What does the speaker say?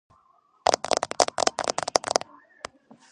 ერთიანობისა და პროგრესის პარტია დაიშალა.